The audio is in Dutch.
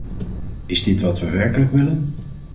Is dit wat we werkelijk willen?